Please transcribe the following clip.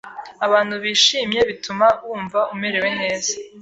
Abantu bishimye bituma wumva umerewe neza.